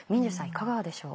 いかがでしょう？